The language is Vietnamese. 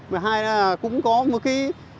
mà hai là cũng có một cái